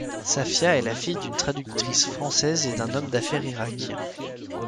Safia est la fille d'une traductrice française et d'un homme d'affaires irakien.